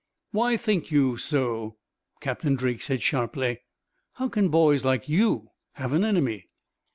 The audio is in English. "Why think you so?" Captain Drake said sharply. "How can boys like you have an enemy?"